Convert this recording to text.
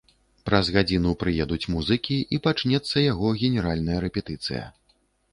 Праз гадзіну прыедуць музыкі і пачнецца яго генеральная рэпетыцыя.